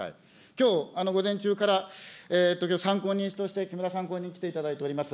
きょう午前中から、参考人として木村参考人来ていただいております。